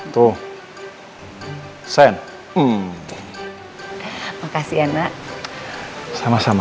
tuh sen makasih anak sama sama